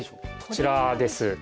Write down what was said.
こちらです。